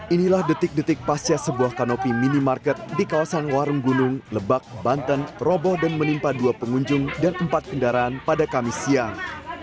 inilah detik detik pasca sebuah kanopi minimarket di kawasan warung gunung lebak banten roboh dan menimpa dua pengunjung dan empat kendaraan pada kamis siang